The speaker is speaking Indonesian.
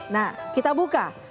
nah kita buka